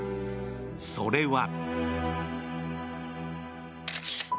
それは。